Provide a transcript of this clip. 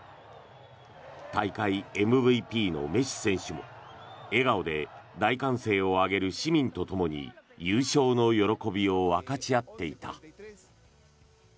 大会ＭＶＰのメッシ選手も笑顔で大歓声を上げる市民とともに優勝の喜びを分かち合っていた。